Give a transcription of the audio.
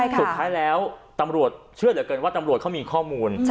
สุดท้ายแล้วตำรวจเชื่อเหลือเกินว่าตำรวจเขามีข้อมูล